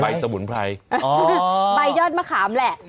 สมุนไพรอ๋อใบยอดมะขามแหละ